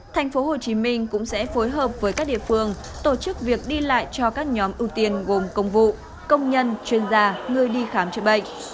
thành phố hồ chí minh cũng sẽ phối hợp với các địa phương tổ chức việc đi lại cho các nhóm ưu tiên gồm công vụ công nhân chuyên gia người đi khám chữa bệnh